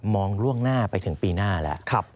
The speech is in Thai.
ล่วงหน้าไปถึงปีหน้าแล้ว